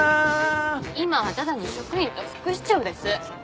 今はただの職員と副市長です。